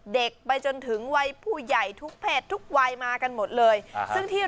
เด็กไปจนถึงวัยผู้ใหญ่ทุกเพศทุกวัยมากันหมดเลยซึ่งที่